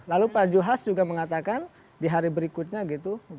lalu pak juhas juga mengatakan di hari berikutnya gitu